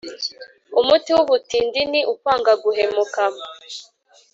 Umuti w’ubutindi ni ukwanga guhemuka.